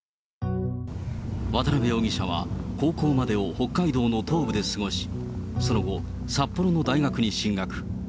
渡辺容疑者は、高校までを北海道の東部で過ごし、その後、札幌の大学に進学。